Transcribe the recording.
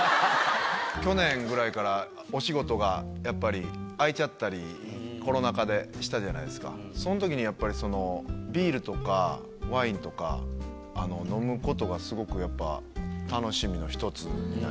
去年ぐらいからお仕事がやっぱり空いちゃったりコロナ禍でしたじゃないですかそのときにやっぱりそのビールとかワインとか飲むことがスゴくやっぱ楽しみの一つになりまして。